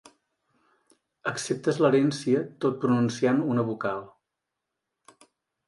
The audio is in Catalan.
Acceptes l'herència tot pronunciant una vocal.